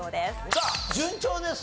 さあ順調ですよ。